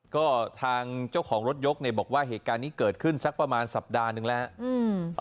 ก็ทางเจ้าของรถยกเนี่ยบอกว่าเหตุการณ์นี้เกิดขึ้นสักประมาณสัปดาห์หนึ่งแล้ว